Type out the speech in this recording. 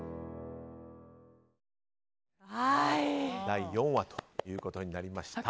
第４話ということになりました。